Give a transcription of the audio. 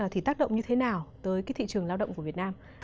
thì tác động như thế nào tới cái thị trường lao động của việt nam